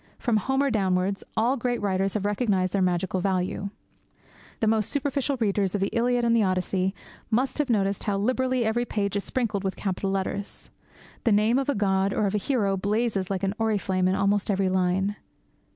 From Homer downwards, all great writers have recognized their magical value. The most superficial readers of the Iliad and the Odyssey must have noticed how liberally every page is sprinkled with capital letters. The name of a god or of a hero blazes like an oriflamme in almost every line.